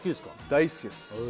大好きです